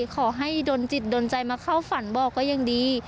ขอให้ดนจิตโดนใจมาเข้าฝันบอกก็ยังดี